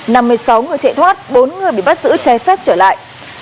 năm mươi sáu người chạy thoát bốn người bị bắt giữ trái phép trở lại